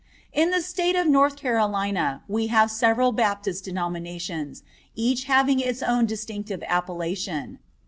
In the State of North Carolina we have several Baptist denominations, each having its own distinctive appellation.